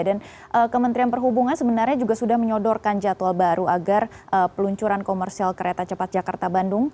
dan kementerian perhubungan sebenarnya juga sudah menyodorkan jadwal baru agar peluncuran komersial kereta cepat jakarta bandung